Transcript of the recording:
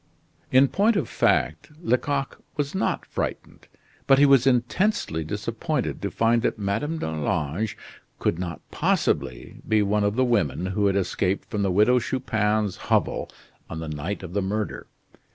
In point of fact, Lecoq was not frightened, but he was intensely disappointed to find that Madame d'Arlange could not possibly be one of the women who had escaped from the Widow Chupin's hovel on the night of the murder.